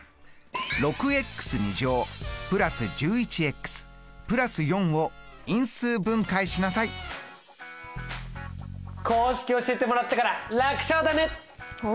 ６＋１１＋４を因数分解しなさい公式教えてもらったから楽勝だねっ！